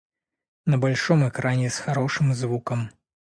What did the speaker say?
На большом экране, с хорошим звуком.